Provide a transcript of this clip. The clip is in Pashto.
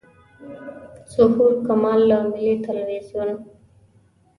ظهور کمال له ملي تلویزیون.